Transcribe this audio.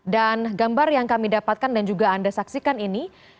dan gambar yang kami dapatkan dan juga anda saksikan ini